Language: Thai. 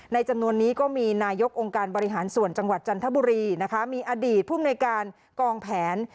จำนวนนี้ก็มีนายกองค์การบริหารส่วนจังหวัดจันทบุรีนะคะมีอดีตภูมิในการกองแผน